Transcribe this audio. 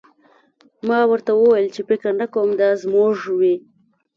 ما ورته وویل چې فکر نه کوم دا زموږ وي